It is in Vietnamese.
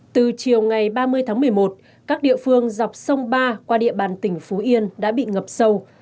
từ chiều ngày ba mươi tháng một mươi một các địa phương dọc sông ba qua địa bàn tỉnh phú yên đã bị ngập sâu